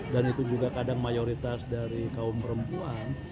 dan itu juga kadang mayoritas dari kaum perempuan